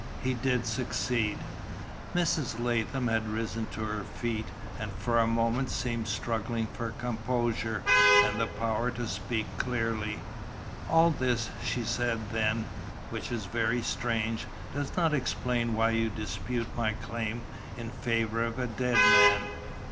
He did succeed." Mrs. Latham had risen to her feet, and, for a moment, seemed struggling for composure, and the power to speak clearly. "All this," she said then, "which is very strange, does not explain why you dispute my claim in favour of a dead man.